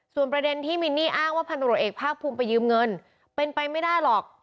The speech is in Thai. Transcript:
ส่วนประเด็นที่มินนี่อ้างว่าพันธุรกิจเอกภาคภูมิไปยืมเงินเป็นไปไม่ได้หรอก